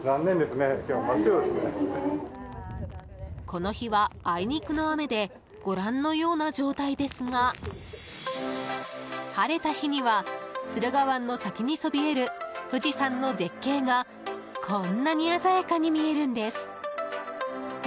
この日は、あいにくの雨でご覧のような状態ですが晴れた日には駿河湾の先にそびえる富士山の絶景がこんなに鮮やかに見えるんです。